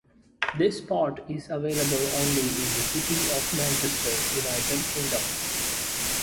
This Part is available only in the city of Manchester, United Kingdom.